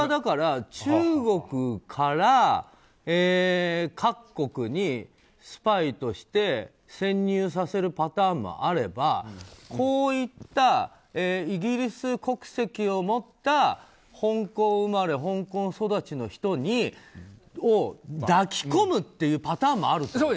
中国から各国にスパイとして潜入させるパターンもあればこういったイギリス国籍を持った香港生まれ香港育ちの人を抱き込むというパターンもあると。